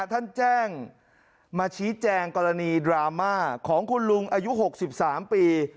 ท่านแจ้งมาชี้แจงกรณีดราม่าของคุณลุงอายุ๖๓ปี